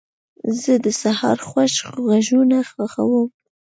زه د سهار خوږ غږونه خوښوم.